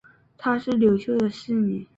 她是刘秀的四女。